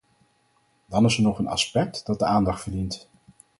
Dan is er nog een aspect dat de aandacht verdient.